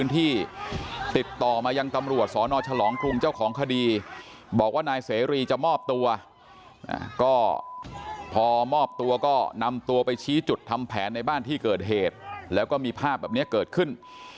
ที่ติดต่อมายังตำรวจสนฉลองกรุงเจ้าของคดีบอกว่านายเสรีจะมอบตัวก็พอมอบตัวก็นำตัวไปชี้จุดทำแผนในบ้านที่เกิดเหตุแล้วก็มีภาพแบบนี้เกิดขึ้น